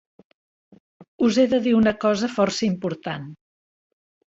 Us he de dir una cosa força important.